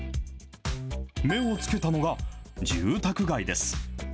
目をつけたのが住宅街です。